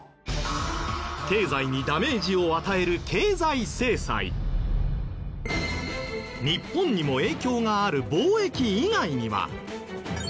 経済にダメージを与える日本にも影響がある貿易以外には。